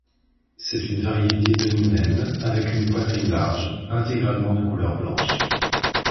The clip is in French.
C'est une variété demi-naine avec une poitrine large, intégralement de couleur blanche.